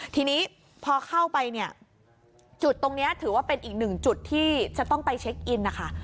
ทีนี้พอเข้าไปเนี่ยจุดตรงนี้ถือว่าเป็นอีกหนึ่งจุดที่จะต้องไปเช็คอินนะคะ